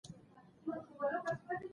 پکتیا د افغانانو د تفریح یوه وسیله ده.